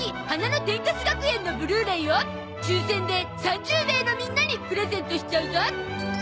花の天カス学園』のブルーレイを抽選で３０名のみんなにプレゼントしちゃうゾ